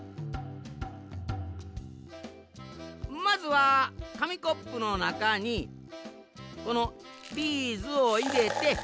まずはかみコップのなかにこのビーズをいれて。